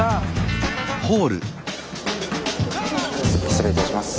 失礼いたします。